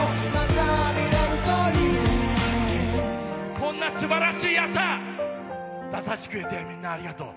こんなすばらしい朝、出させてくれてみんな、ありがとう。